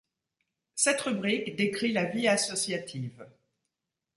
Cette rubrique décrit la vie associative.